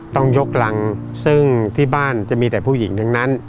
ต้องยกรังซึ่งที่บ้านจะมีแต่ผู้หญิงทั้งนั้น